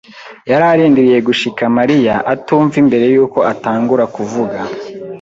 yararindiriye gushika Mariya atumva mbere yuko atangura kuvuga.